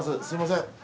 すみません。